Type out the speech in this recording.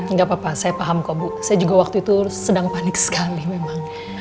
enggak apa apa saya paham kok bu saya juga waktu itu sedang panik sekali memang